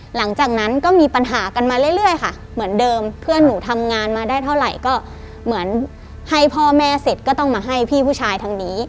หลังจากนั้นก็มีปัญหากันมาเรื่อยค่ะเหมือนเดิมเพื่อนหนูทำงานมาได้เท่าไหร่ก็เหมือนให้พ่อแม่เสร็จก็ต้องมาให้พี่ผู้ชายทางนี้